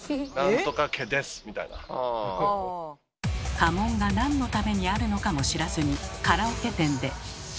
家紋がなんのためにあるのかも知らずにカラオケ店で。